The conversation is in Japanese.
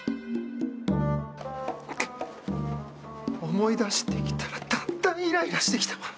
思い出してきたらだんだんイライラしてきたわ。